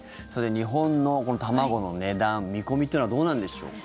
日本の卵の値段見込みというのはどうなんでしょうか。